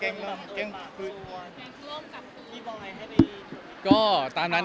อ๋องานบอล